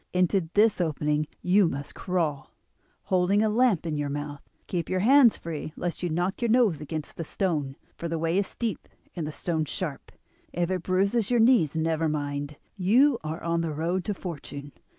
Into this opening you must crawl, holding a lamp in your mouth. Keep your hands free lest you knock your nose against a stone, for the way is steep and the stones sharp. If it bruises your knees never mind; you are on the road to fortune.